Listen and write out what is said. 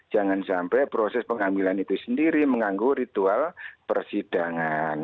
jangan sampai proses pengambilan itu sendiri mengganggu ritual persidangan